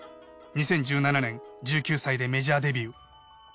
２０１７年１９歳でメジャーデビュー。